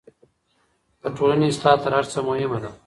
د ټولني اصلاح تر هر څه مهمه ده.